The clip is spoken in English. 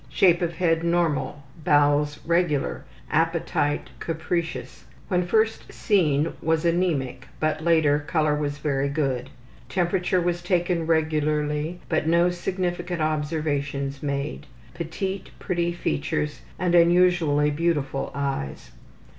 Shape of head normal. Bowels regular. Appetite capricious. When first seen was anemic, but later color was very good. Temperature was taken regularly, but no significant observations made. Petite, pretty features, and unusually beautiful eyes.